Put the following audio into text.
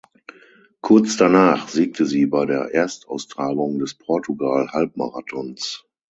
Kurz danach siegte sie bei der Erstaustragung des Portugal-Halbmarathons.